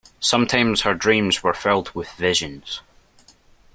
Sometimes her dreams were filled with visions.